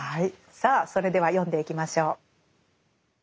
さあそれでは読んでいきましょう。